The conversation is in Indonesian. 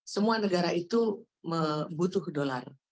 semua negara itu butuh ke dolar